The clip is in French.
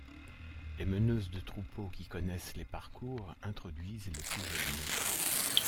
Les meneuses de troupeau, qui connaissent les parcours, introduisent les plus jeunes.